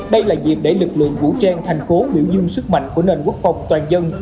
đây là dịp để lực lượng vũ trang thành phố biểu dương sức mạnh của nền quốc phòng toàn dân